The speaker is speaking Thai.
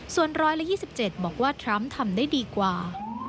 ส่วน๑๒๗บอกว่าทรัมป์ทำได้ดีกว่า